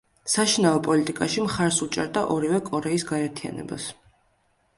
საშინაო პოლიტიკაში მხარს უჭერდა ორივე კორეის გაერთიანებას.